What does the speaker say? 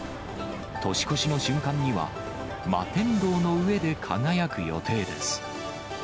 年越しの瞬間には、摩天楼の上で輝く予定です。